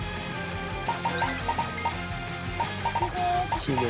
きれい。